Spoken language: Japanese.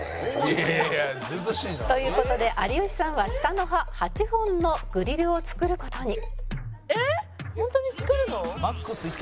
「という事で有吉さんは下の歯８本のグリルを作る事に」